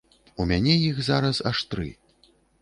У мяне іх зараз аж тры.